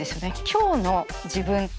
今日の自分。